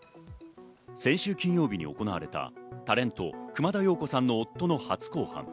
先週金曜日に行われたタレント熊田曜子さんの夫の初公判。